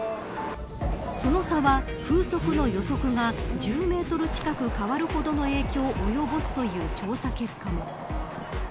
その差は風速の予測が１０メートル近く変わるほどの影響を及ぼすという調査結果も。